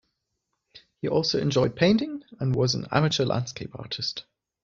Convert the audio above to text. He also enjoyed painting and was an amateur landscape artist.